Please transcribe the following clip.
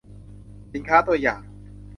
สินค้าตัวอย่าง